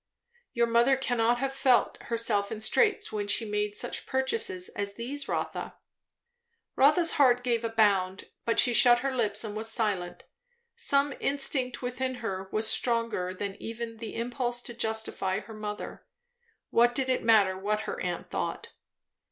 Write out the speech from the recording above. Your mother cannot have felt herself in straits when she made such purchases as these, Rotha." Rotha's heart gave a bound, but she shut her lips and was silent. Some instinct within her was stronger than even the impulse to justify her mother. What did it matter, what her aunt thought?